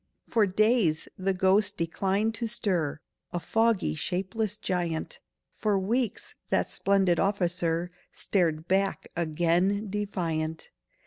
For days that ghost declined to stir, A foggy shapeless giant— For weeks that splendid officer Stared back again defiant.